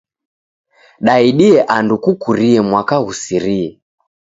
Daidie andu kukurie mwaka ghusirie.